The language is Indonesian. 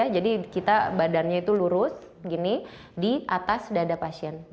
jadi badannya itu lurus di atas dada pasien